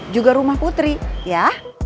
juga rumah putri ya